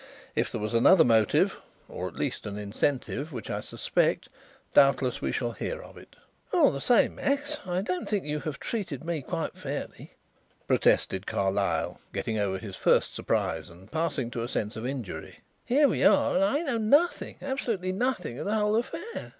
"If there was another motive or at least an incentive which I suspect, doubtless we shall hear of it." "All the same, Max, I don't think that you have treated me quite fairly," protested Carlyle, getting over his first surprise and passing to a sense of injury. "Here we are and I know nothing, absolutely nothing, of the whole affair."